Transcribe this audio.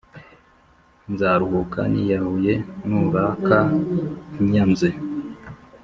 Nzaruhuka niyahuye nuraka unyanze